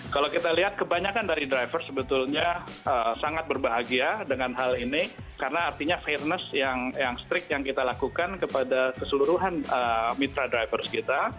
kalau kita lihat kebanyakan dari driver sebetulnya sangat berbahagia dengan hal ini karena artinya fairness yang strict yang kita lakukan kepada keseluruhan mitra drivers kita